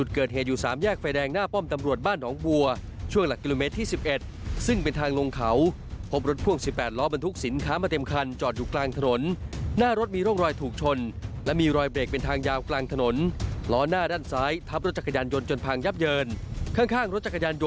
การพังยับเยินข้างรถจักรยานยนต์